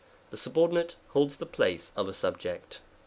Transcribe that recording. The subordinate holds the place of a subject.